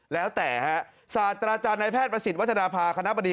แล้วแต่ฮะศาสตราจารย์ในแพทย์ประสิทธิ์วัฒนภาคณะบดี